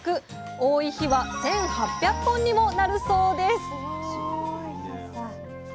多い日は１，８００本にもなるそうです